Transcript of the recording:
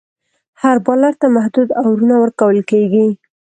هر بالر ته محدود اوورونه ورکول کیږي.